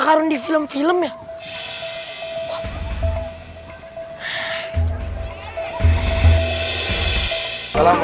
nah ini dia nih bolanya